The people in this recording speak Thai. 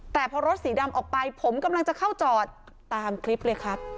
แต่พอรถสีดำออกไปผมกำลังจะเข้าจอดตามคลิปเลยครับ